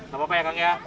gak apa apa ya kang ya